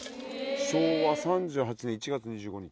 昭和３８年１月２５日